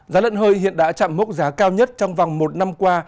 giá lợn hơi hiện đã chạm mốc giá cao nhất trong vòng một năm qua